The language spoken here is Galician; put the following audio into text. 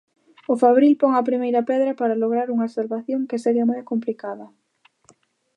O Fabril pon a primeira pedra para lograr unha salvación que segue moi complicada.